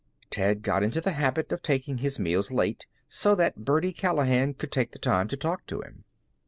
Ted got into the habit of taking his meals late, so that Birdie Callahan could take the time to talk to him.